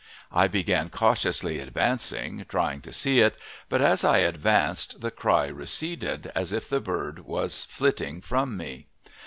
I began cautiously advancing, trying to see it, but as I advanced the cry receded, as if the bird was flitting from me.